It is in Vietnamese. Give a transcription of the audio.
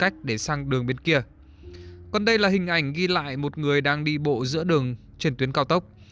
còn đây là hình ảnh ghi lại một người đang đi bộ giữa đường trên tuyến cao tốc